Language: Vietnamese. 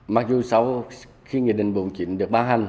mặc dù sau khi nghị định vùng chính được ban hành